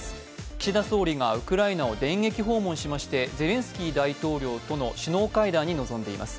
岸田総理がウクライナを電撃訪問しましてゼレンスキー大統領との首脳会談に臨んでいます。